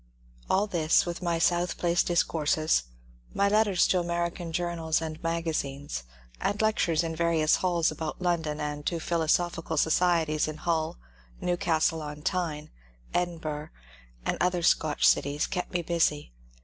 All this, with my South Place discourses, my letters to American journals and maga zines, and lectures in various halls about London and to phi losophical societies in Hull, Newcastle on Tyne, Edinburgh and other Scotch cities, kept me busy.